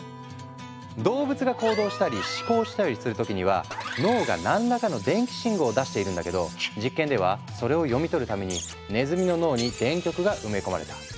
動物が行動したり思考したりする時には脳が何らかの電気信号を出しているんだけど実験ではそれを読み取るためにねずみの脳に電極が埋め込まれた。